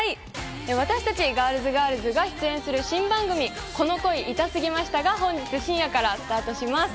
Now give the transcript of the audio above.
私たちＧｉｒｌｓ２が出演する新番組『この恋イタすぎました』が本日深夜からスタートします。